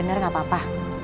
iya ma aku gak apa apa